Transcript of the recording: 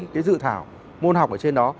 cái dự thảo môn học ở trên đó